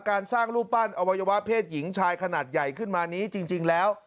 การสร้างรูปปั้นอวัยวะเพศหญิงชายขนาดใหญ่ขึ้นมานี้จริงแล้ว